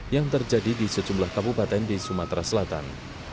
yang terjadi di sejumlah kabupaten di sumatera selatan